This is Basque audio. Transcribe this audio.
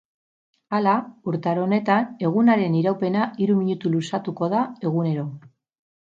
Hala, urtaro honetan, egunaren iraupena hiru minutu luzatuko da egunero.